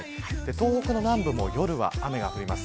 東北の南部も夜は雨が降ります。